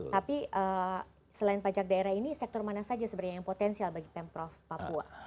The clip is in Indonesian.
tapi selain pajak daerah ini sektor mana saja sebenarnya yang potensial bagi pemprov papua